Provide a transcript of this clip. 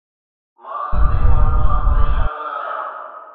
مان گندي ماڻهن سان پريشان نه آهيان